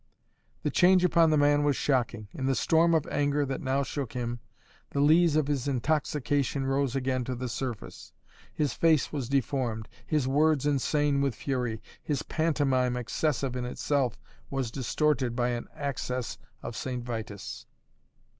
The change upon the man was shocking. In the storm of anger that now shook him, the lees of his intoxication rose again to the surface; his face was deformed, his words insane with fury; his pantomime excessive in itself, was distorted by an access of St. Vitus.